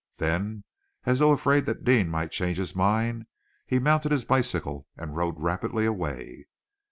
Then, as though afraid that Deane might change his mind, he mounted his bicycle and rode rapidly away.